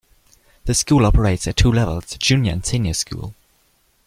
The school operates at two levels: junior and senior school.